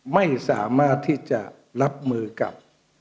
ไม่สามารถที่จะรับมือกับ